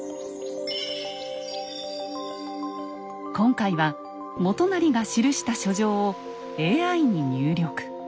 今回は元就が記した書状をＡＩに入力。